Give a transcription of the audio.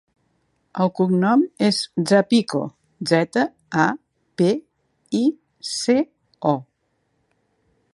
El cognom és Zapico: zeta, a, pe, i, ce, o.